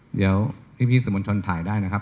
เดี๋ยวพี่บุญธวรบรยสิทธิ์ถ่ายได้นะครับ